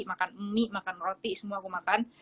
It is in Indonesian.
makan mie makan roti semua aku makan